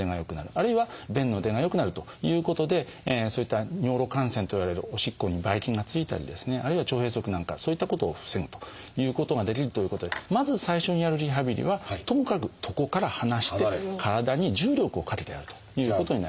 あるいは便の出が良くなるということでそういった尿路感染といわれるおしっこにばい菌が付いたりですねあるいは腸閉塞なんかそういったことを防ぐということができるということでまず最初にやるリハビリはともかく床から離して体に重力をかけてやるということになります。